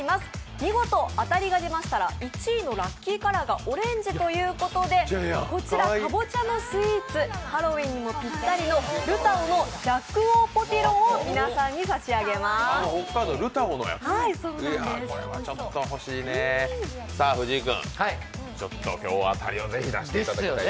見事当たりが出ましたら１位のラッキーカラーがオレンジということでこちら、かぼちゃのスイーツ、ハロウィンにもぴったりのルタオのジャックオーポティロンをプレゼントします。